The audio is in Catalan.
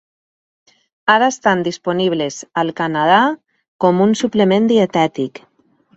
Ara estan disponibles al Canadà com un suplement dietètic.